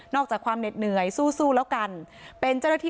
จากความเหน็ดเหนื่อยสู้แล้วกันเป็นเจ้าหน้าที่